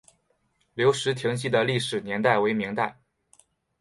留石亭记的历史年代为明代。